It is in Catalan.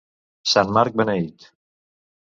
Sant Marc beneït!